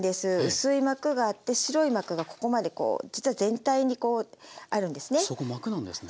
薄い膜があって白い膜がここまでこう実は全体にこうあるんですね。